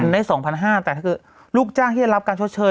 ได้๒๕๐๐บาทแต่ถ้าเกิดลูกจ้างที่จะรับการชดเชย